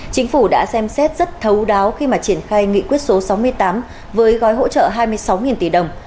chính phủ đã xem xét rất thấu đáo khi mà triển khai nghị quyết số sáu mươi tám với gói hỗ trợ hai mươi sáu tỷ đồng